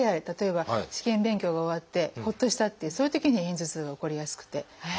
例えば試験勉強が終わってほっとしたっていうそういうときに片頭痛が起こりやすくて。